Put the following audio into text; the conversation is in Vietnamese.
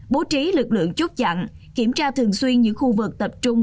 bố trí lực lượng chốt chặn kiểm tra thường xuyên những khu vực tập trung